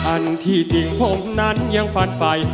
อันที่จริงผมนั้นยังฟันไฟ